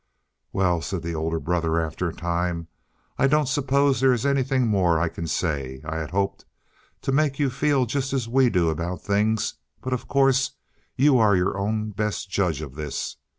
"Well," said the older brother, after a time, "I don't suppose there is anything more I can say. I had hoped to make you feel just as we do about this thing, but of course you are your own best judge of this.